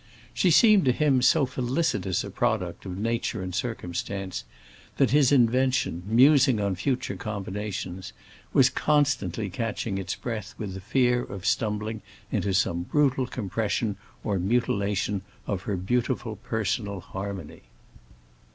She seemed to him so felicitous a product of nature and circumstance that his invention, musing on future combinations, was constantly catching its breath with the fear of stumbling into some brutal compression or mutilation of her beautiful personal harmony.